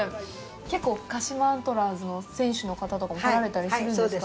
結構、鹿島アントラーズの選手の方とかも来られたりするんですか？